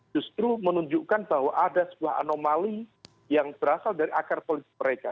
justru menunjukkan bahwa ada sebuah anomali yang berasal dari akar politik mereka